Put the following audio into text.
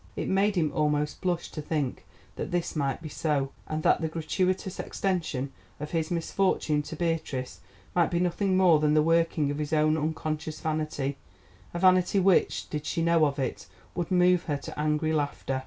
It made him almost blush to think that this might be so, and that the gratuitous extension of his misfortune to Beatrice might be nothing more than the working of his own unconscious vanity—a vanity which, did she know of it, would move her to angry laughter.